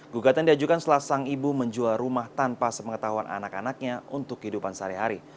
gugatan diajukan setelah sang ibu menjual rumah tanpa sepengetahuan anak anaknya untuk kehidupan sehari hari